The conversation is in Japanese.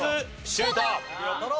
シュート！